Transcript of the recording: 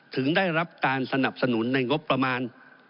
ถึงได้รับการสนับสนุนในงบประมาณ